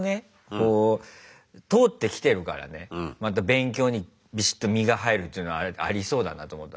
こう通ってきてるからねまた勉強にビシッと身が入るっていうのはありそうだなと思った。